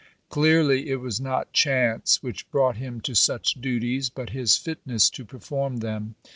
Clearly it was not chance which brought him to such duties, but his fitness to perform them.